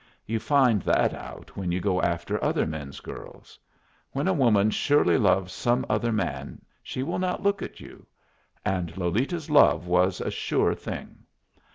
You find that out when you go after other men's girls. When a woman surely loves some other man she will not look at you. And Lolita's love was a sure thing.